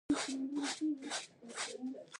سرحدونه د افغانانو د ګټورتیا برخه ده.